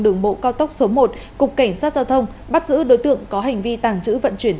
đường bộ cao tốc số một cục cảnh sát giao thông bắt giữ đối tượng có hành vi tàng trữ vận chuyển